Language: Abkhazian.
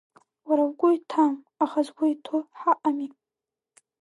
Уара угәы иҭам, аха згәы иҭоу ҳаҟами.